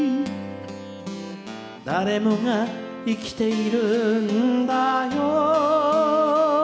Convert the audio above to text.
「誰もが生きているんだよ」